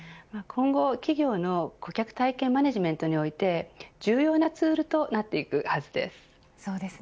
今後、企業の顧客体験マネジメントにおいて重要なツールとなっていくはずです。